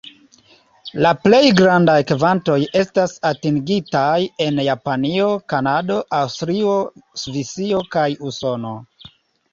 La plej grandaj kvantoj estas atingitaj en Japanio, Kanado, Aŭstrio, Svisio kaj Usono.